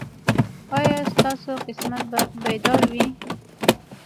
ایا ستاسو قسمت به بیدار وي؟